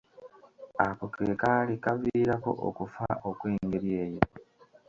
Ako ke kaali kaviirako okufa okw’engeri eyo.